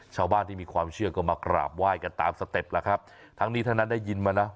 ชาวบ้านที่มีความเชื่อก็มากราบไหว้กันตามสเต็ปแล้วครับทั้งนี้ทั้งนั้นได้ยินมานะ